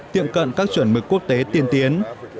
tiệm cận các chuẩn mực quốc tế tiên tiến